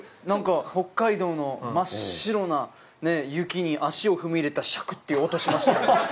何か北海道の真っ白な雪に足を踏み入れたシャクっていう音しましたよ。